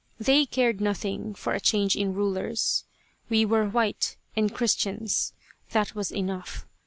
They cared nothing for a change in rulers. We were white, and Christians; that was enough.